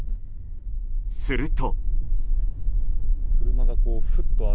すると。